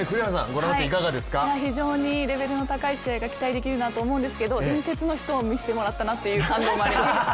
非常にレベルの高い試合が期待できると思うんですが伝説の人を見せてもらったなという気分になりました。